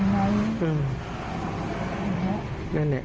ไม่รู้จะไปยังไง